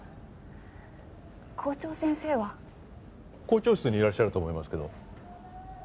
校長室にいらっしゃると思いますけど。